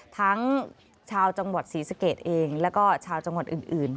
ทั้งชาวจังหวัดศรีสะเกดเองแล้วก็ชาวจังหวัดอื่น